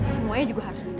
semuanya juga harus menderita